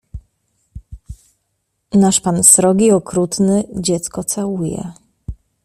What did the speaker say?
Nasz pan srogi, okrutny, dziecko całuje.